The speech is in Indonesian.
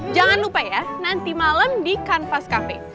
jangan lupa ya nanti malam di canvas cafe